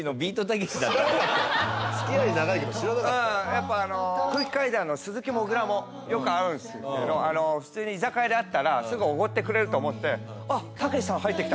やっぱあの空気階段の鈴木もぐらもよく会うんですけど普通に居酒屋で会ったらすぐおごってくれると思って。